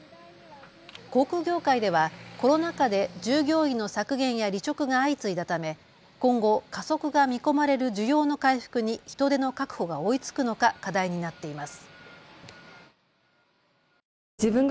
航空業界ではコロナ禍で従業員の削減や離職が相次いだため今後、加速が見込まれる需要の回復に人手の確保が追いつくのか課題になっています。